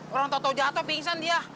orang tau tau jatuh pingsan dia